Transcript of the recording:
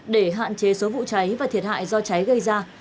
để hạn chế số vụ cháy và thiệt hại do cháy gây ra